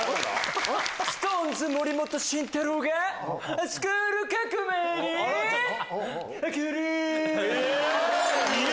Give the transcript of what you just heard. ＳｉｘＴＯＮＥＳ・森本慎太郎が『スクール革命！』にぃ来る！